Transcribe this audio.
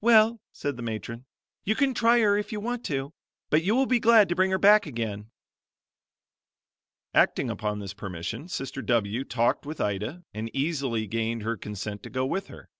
"Well," said the matron, "you can try her if you want to, but you will be glad to bring her back again." Acting upon this permission, Sister W talked with Ida and easily gained her consent to go with her.